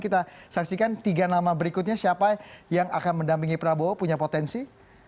kita saksikan tiga nama berikutnya siapa yang akan mendampingi prabowo punya potensi